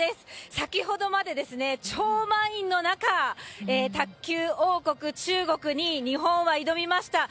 先ほどまで超満員の中卓球王国・中国に日本は挑みました。